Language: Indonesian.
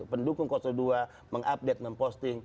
pendukung dua mengupdate memposting